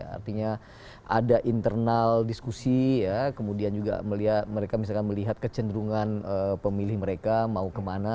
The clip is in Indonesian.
artinya ada internal diskusi ya kemudian juga mereka misalkan melihat kecenderungan pemilih mereka mau kemana